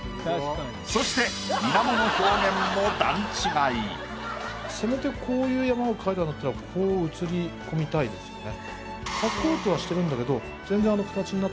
そしてせめてこういう山を描いたんだったらこう映り込みたいですよね。